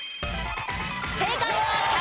正解は客。